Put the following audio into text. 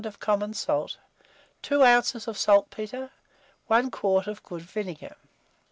of common salt, 2 oz. of saltpetre, 1 quart of good vinegar.